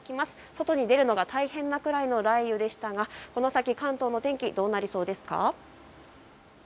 外に出るのが大変なくらいの雷雨でしたが、この先関東の天気どうなりそうですか。